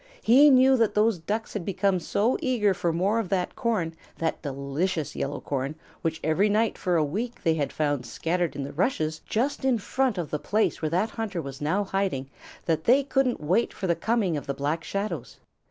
He knew that those Ducks had become so eager for more of that corn, that delicious yellow corn which every night for a week they had found scattered in the rushes just in front of the place where that hunter was now hiding, that they couldn't wait for the coming of the Black Shadows.